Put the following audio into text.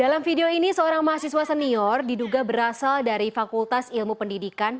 dalam video ini seorang mahasiswa senior diduga berasal dari fakultas ilmu pendidikan